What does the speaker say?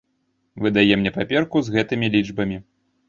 Выдае мне паперку з гэтымі лічбамі.